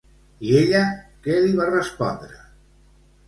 I ella què li va respondre?